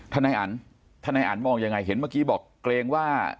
นายอันทนายอันมองยังไงเห็นเมื่อกี้บอกเกรงว่า